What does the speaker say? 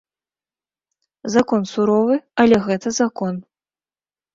Закон суровы, але гэта закон.